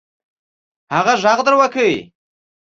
هغه ږغ در وکړئ.